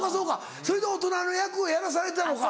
それで大人の役をやらされてたのか。